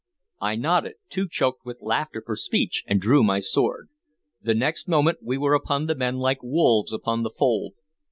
I nodded, too choked with laughter for speech, and drew my sword. The next moment we were upon the men like wolves upon the fold.